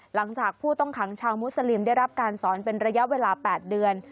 หลังจากผู้ต้องขังชาวมุสลิมได้รับการสอนเป็นระยะเวลา๘เดือน